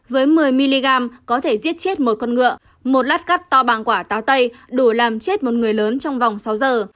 với một mươi mg có thể giết chết một con ngựa một lát cắt to bằng quả táo tây đủ làm chết một người lớn trong vòng sáu giờ